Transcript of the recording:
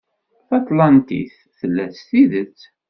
Taṭlantit tella s tidet.